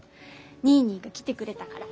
ニーニーが来てくれたから。